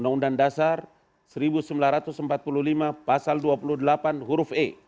undang undang dasar seribu sembilan ratus empat puluh lima pasal dua puluh delapan huruf e